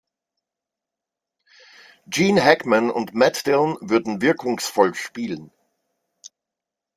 Gene Hackman und Matt Dillon würden wirkungsvoll spielen.